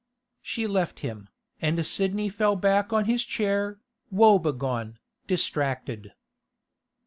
She left him, and Sidney fell back on his chair, woebegone, distracted.